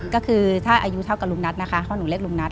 ก็คือถ้าอายุเท่ากับลุงนัทนะคะเพราะหนูเรียกลุงนัท